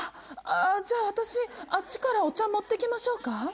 じゃあ私あっちからお茶持ってきましょうか？